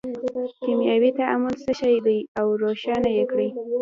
کیمیاوي تعامل څه شی دی او روښانه یې کړئ.